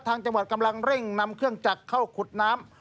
จังหวัดกำลังเร่งนำเครื่องจักรเข้าขุดน้ำ